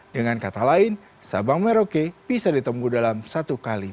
dengan kata lain sabang merauke bisa ditunggu dalam satu kali